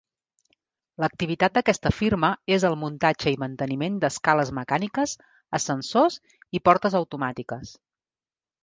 L'activitat d'aquesta firma és el muntatge i manteniment d'escales mecàniques, ascensors i portes automàtiques.